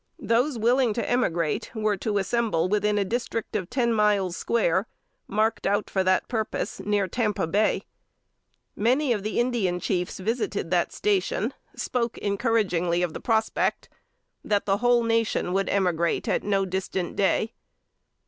Those willing to emigrate, were to assemble within a district of ten miles square, marked out for that purpose, near Tampa Bay. Many of the Indian chiefs visited that station; spoke encouragingly of the prospect; that the whole Nation would emigrate at no distant day.